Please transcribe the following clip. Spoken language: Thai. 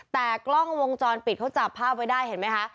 แต่กล้องวงจรปิดเขาจับภาพไว้ได้เห็นไหมคะ